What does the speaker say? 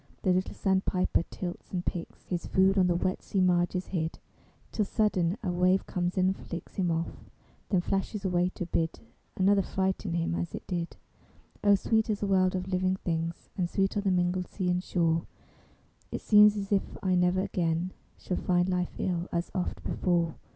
The little sandpiper tilts and picks His food, on the wet sea marges hid, Till sudden a wave comes in and flicks Him off, then flashes away to bid Another frighten him as it did. O sweet is the world of living things, And sweet are the mingled sea and shore! It seems as if I never again Shall find life ill as oft before.